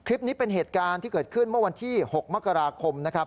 คลิปนี้เป็นเหตุการณ์ที่เกิดขึ้นเมื่อวันที่๖มกราคมนะครับ